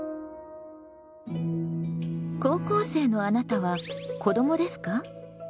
高校生のあなたは子どもですか？